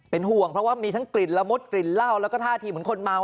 ห่วงเพราะว่ามีทั้งกลิ่นละมุดกลิ่นเหล้าแล้วก็ท่าทีเหมือนคนเมา